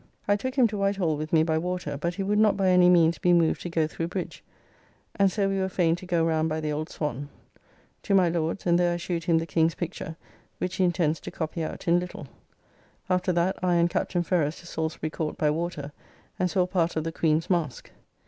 I took him to Whitehall with me by water, but he would not by any means be moved to go through bridge, and so we were fain to go round by the Old Swan. To my Lord's and there I shewed him the King's picture, which he intends to copy out in little. After that I and Captain Ferrers to Salisbury Court by water, and saw part of the "Queene's Maske."